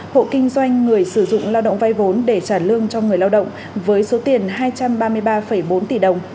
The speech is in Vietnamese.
hộ kinh doanh người sử dụng lao động vay vốn để trả lương cho người lao động với số tiền hai trăm ba mươi ba bốn tỷ đồng